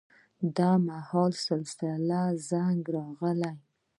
دا مهال د سلسلې زنګ راغی.